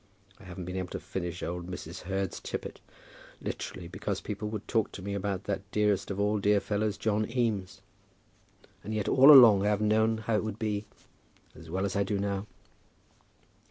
I haven't been able to finish old Mrs. Heard's tippet, literally because people would talk to me about that dearest of all dear fellows, John Eames. And yet all along I have known how it would be, as well as I do now."